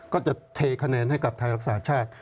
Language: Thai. ก็จะเทคะแนนให้กับไทยรักษาชาติ